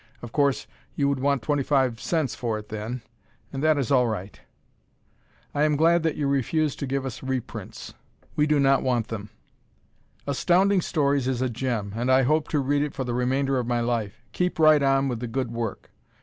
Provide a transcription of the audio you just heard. Of course, you would want 25c. for it then, and that is all right. Am glad that you refuse to give us reprints. We do not want them. Astounding Stories is a gem, and I hope to read it for the remainder of my life. Keep right on with the good work.